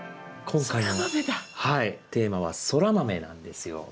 今回のテーマはソラマメなんですよ。